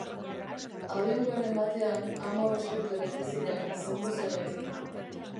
Abenduaren batean hamabost urte bete ziren zendu zenetik.